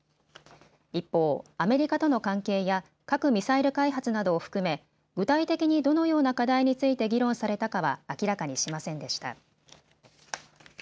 一方、アメリカとの関係や核・ミサイル開発などを含め具体的にどのような課題について議論されたかは明らかにしませんでした。